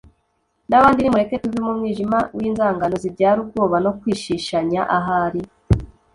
n'abandi. nimureke tuve mu mwijima w'inzangano zibyara ubwoba no kwishishanya. ahari